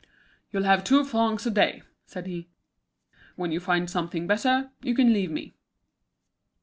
"You'll have two francs a day," said he. "When you find something better, you can leave me."